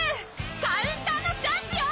カウンターのチャンスよ！